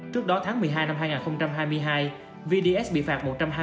trước đó tháng một mươi hai năm hai nghìn hai mươi hai vds bị phạt một trăm hai mươi